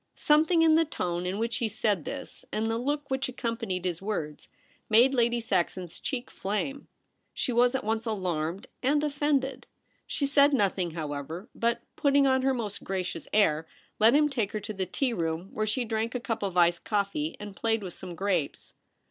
Something in the tone in which he said this, and the look which accompanied his words, made Lady Saxon's cheek flame. She was at once alarmed and offended. She said nothing, however, but, putting on her most gracious air, let him take her to the tea room, where she drank a cup of iced coffee and played with some grapes.